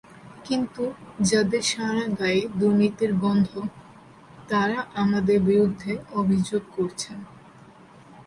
কিন্তু যাঁদের সারা গায়ে দুর্নীতির গন্ধ, তাঁরা আমাদের বিরুদ্ধে অভিযোগ করছেন।